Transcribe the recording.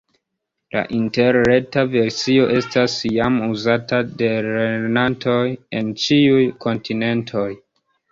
La interreta versio estas jam uzata de lernantoj en ĉiuj kontinentoj.